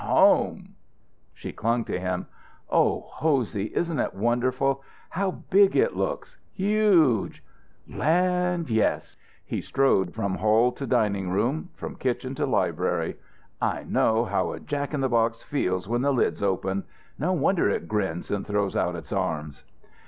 Home!" She clung to him. "Oh, Hosey, isn't it wonderful? How big it looks! Huge!" "Land, yes." He strode from hall to dining room, from kitchen to library. "I know how a jack in the box feels when the lid's opened. No wonder it grins and throws out its arms."